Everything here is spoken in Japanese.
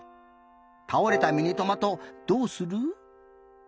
たおれたミニトマトどうする？